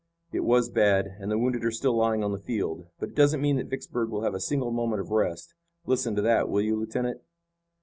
"It was bad and the wounded are still lying on the field, but it doesn't mean that Vicksburg will have a single moment of rest. Listen to that, will you, lieutenant?"